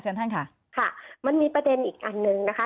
ท่านค่ะค่ะมันมีประเด็นอีกอันนึงนะคะ